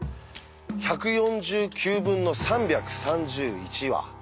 １４９分の３３１は。